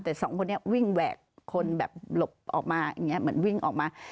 แต่สองคนนี้วิ่งแหวกลบออกมาเหมือนวิ่งออกมา